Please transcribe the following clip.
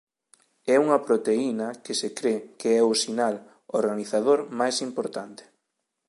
É unha proteína que se cre que é o sinal organizador máis importante.